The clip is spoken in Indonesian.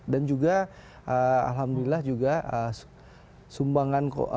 dan juga alhamdulillah juga sumbangan